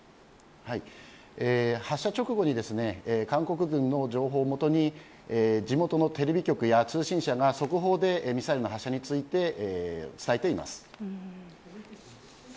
発射直後に韓国軍の情報を元に地元のテレビ局や通信社が速報でミサイルの発射について伝えています。